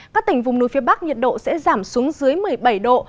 các tỉnh vùng núi phía bắc nhiệt độ sẽ giảm xuống dưới một mươi bảy độ